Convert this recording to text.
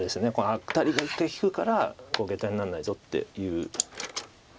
アタリが一回利くからゲタになんないぞっていう。